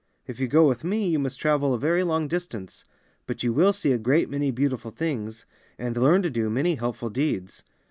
If you go with me you must travel a very long distance, but you will see a great many beautiful things, and learn to do many helpful deeds.